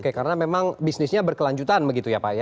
oke karena memang bisnisnya berkelanjutan begitu ya pak ya